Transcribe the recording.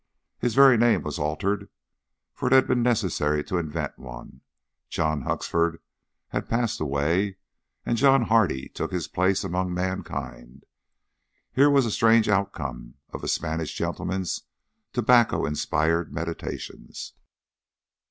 His very name was altered, for it had been necessary to invent one. John Huxford had passed away, and John Hardy took his place among mankind. Here was a strange outcome of a Spanish gentleman's tobacco inspired meditations.